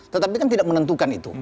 tetapi kan tidak menentukan itu